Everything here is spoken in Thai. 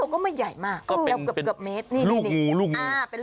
ก็ไม่ใหญ่มากก็เกือบเม็ด